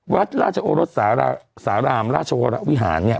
วัดราชโอรสสารามราชวรวิหารเนี่ย